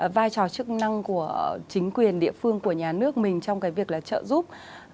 vai trò chức năng của chính quyền địa phương của nhà nước mình trong cái việc là trợ giúp